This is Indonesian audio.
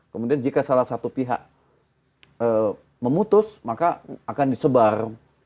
kemudian jika salah satu pihak memutus maka akan disebar